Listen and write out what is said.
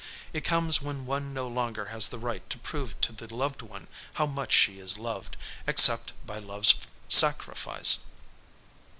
It comes when one no longer has the right to prove to the loved one how much she is loved, except by love's sacrifice.